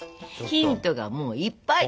ヒントがもういっぱい。